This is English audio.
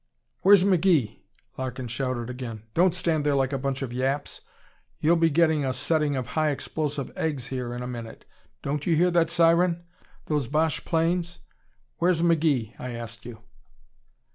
"Where's McGee?" Larkin shouted again. "Don't stand there like a bunch of yaps! You'll be getting a setting of high explosive eggs here in a minute. Don't you hear that siren? Those Boche planes? Where's McGee, I asked you?"